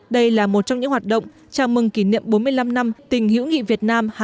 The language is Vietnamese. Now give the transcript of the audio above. đây là một trong những hoạt động chào mừng kỷ niệm bốn mươi năm năm tình hữu nghị việt nam hà nội